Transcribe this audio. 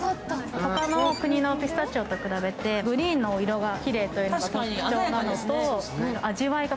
ほかの国のピスタチオと比べて、グリーンの色がきれいというのが特徴なんです。